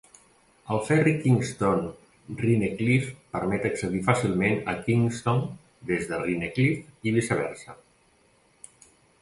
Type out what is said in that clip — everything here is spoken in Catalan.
El ferri Kingston-Rhinecliff permet accedir fàcilment a Kingston des de Rhinecliff i viceversa.